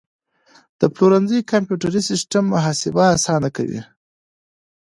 د پلورنځي کمپیوټري سیستم محاسبه اسانه کوي.